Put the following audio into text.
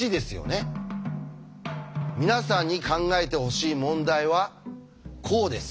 皆さんに考えてほしい問題はこうです。